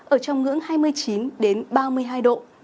ở trong ngưỡng hai mươi chín ba mươi hai độ